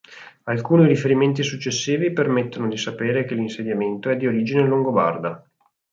Alcuni riferimenti successivi permettono di sapere che l'insediamento è di origine longobarda.